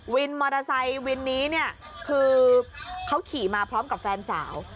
วินมอเตอร์ไซค์วินนี้เนี่ยคือเขาขี่มาพร้อมกับแฟนสาว